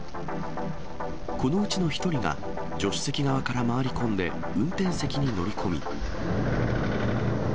このうちの１人が助手席側から回り込んで、運転席に乗り込み。